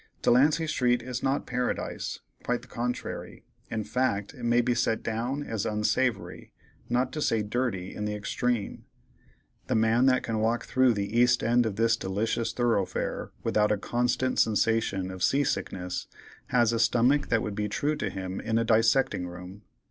Delancey street is not Paradise, quite the contrary. In fact it may be set down as unsavory, not to say dirty in the extreme. The man that can walk through the east end of this delicious thoroughfare without a constant sensation of sea sickness, has a stomach that would be true to him in a dissecting room.